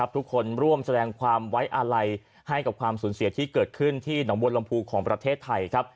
ร่วมแสดงความไว้อาลัยให้กับความสูญเสียที่เกิดขึ้นที่หนองบัวลำพูของประเทศไทย